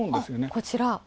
こちら。